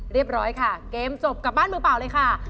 เรียบร้อยค่ะเกมจบกลับบ้านมือเปล่าเลยค่ะ